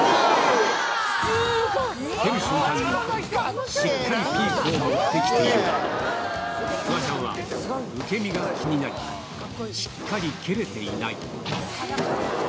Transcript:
蹴る瞬間にしっかりピークを持ってきているが、フワちゃんは受け身が気になり、しっかり蹴れていない。